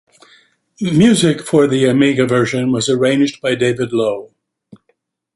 Music for the Amiga version was arranged by Dave Lowe.